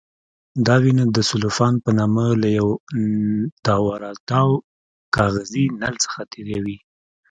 دا وینه د سلوفان په نامه له یو تاوراتاو کاغذي نل څخه تېروي.